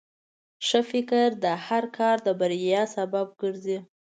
ښه فکر د هر کار د بریا سبب ګرځي.